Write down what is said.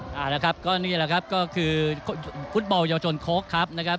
เอาละครับก็นี่แหละครับก็คือฟุตบอลเยาวชนโค้กครับนะครับ